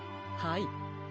はい。